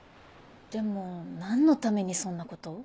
でも何のためにそんなことを？